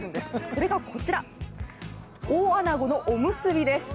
それがこちら、大あなごのおむすびです。